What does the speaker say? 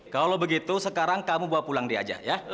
kalau begitu sekarang kamu bawa pulang dia aja ya